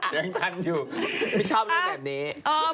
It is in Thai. ยังทันอยู่ไม่ชอบเรื่องแบบนี้